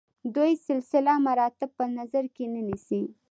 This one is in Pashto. دوی سلسله مراتب په نظر کې نه نیسي.